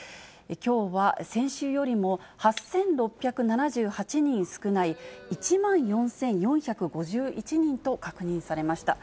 きょうは先週よりも８６７８人少ない、１万４４５１人と確認されました。